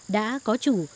đã có chủ